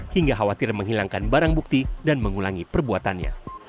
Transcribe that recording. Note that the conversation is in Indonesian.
hingga khawatir menghilangkan barang bukti dan mengulangi perbuatannya